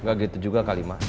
gak gitu juga kali ma